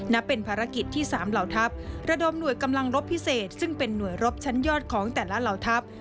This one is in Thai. นับเป็นภารกิจที่๓เหล่าทัพระดมหน่วยกำลังรบพิเศษซึ่งเป็นหน่วยรบชั้นยอดของแต่ละเหล่าทัพ